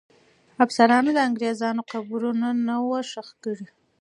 افسرانو د انګریزانو قبرونه نه وو ښخ کړي.